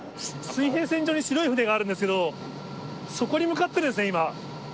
水平線上に白い船があるんですけれども、そこに向かって今。